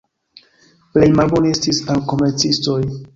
Plej malbone estis al komercistoj.